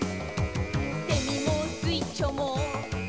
「セミもスイッチョも」